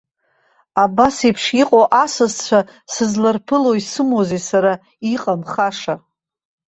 Абас еиԥш иҟоу асасцәа сызларԥыло исымоузеи сара иҟамхаша?!